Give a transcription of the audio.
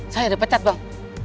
saya dipecat bang